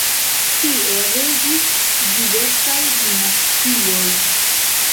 Tie regis diversaj dinastioj.